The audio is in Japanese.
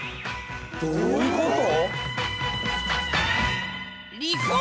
どういうこと？